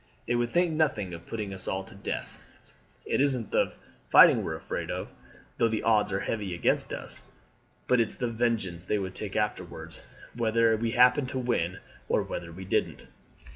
They would think nothing of putting us all to death. It isn't the fighting we are afraid of, though the odds are heavy against us, but it's the vengeance they would take afterwards, whether we happened to win or whether we didn't."